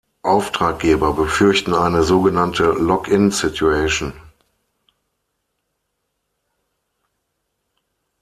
Auftraggeber befürchten eine sogenannte „Lock-in-Situation“.